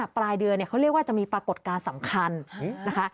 ปลายเดือนเขาเรียกว่าจะมีปรากฏการณ์สำคัญนะคะ